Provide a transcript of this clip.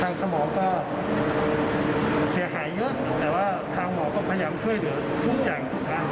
สมองก็เสียหายเยอะแต่ว่าทางหมอก็พยายามช่วยเหลือทุกอย่างทุกทาง